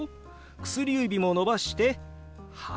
薬指も伸ばして「８」。